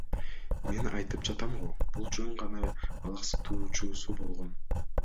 Мен айтып жатам го, бул жөн гана алаксытуу чуусу болгон.